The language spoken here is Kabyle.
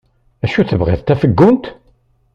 Acu tebɣiḍ d tafeggunt?